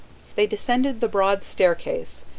They descended the broad staircase.